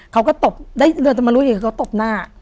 เขาก็ตบได้เริ่มต่อมารู้อีกเขาก็ตบหน้า